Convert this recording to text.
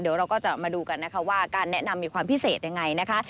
เดี๋ยวเราก็จะมาดูกันนะคะว่าการแนะนำมีความพิเศษยังไงนะคะ